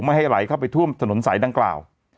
ให้ไหลเข้าไปท่วมถนนสายดังกล่าว